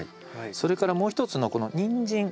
それからもう一つのこのニンジン。